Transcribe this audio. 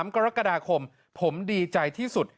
๓กรกฎาคมผมดีใจที่สุด